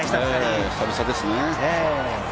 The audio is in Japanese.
ええ、久々ですね。